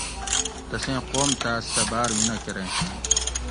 تسیں قوم تاس سہ باۤر مینہ کۤرینش